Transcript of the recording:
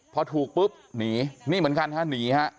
พอถูกปุ๊บหนีนี่เหมือนกันฮะหนีฮะ